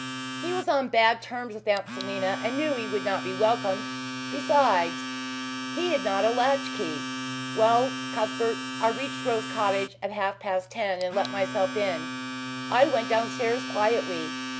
"He was on bad terms with Aunt Selina and knew he would not be welcomed. Besides, he had not a latch key. Well, Cuthbert, I reached Rose Cottage at half past ten and let myself in. I went downstairs quietly.